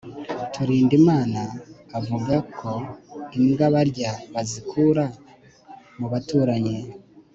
turindimana avuga ko imbwa barya bazikura mu baturanyi